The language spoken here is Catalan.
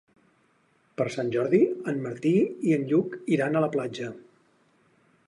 Per Sant Jordi en Martí i en Lluc iran a la platja.